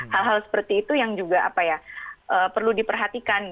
hal hal seperti itu yang juga perlu diperhatikan